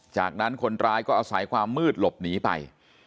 จากนั้นคนร้ายก็อาศัยความมืดหลบหนีไป